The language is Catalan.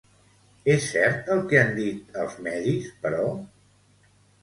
És cert el que han dit els medis, però?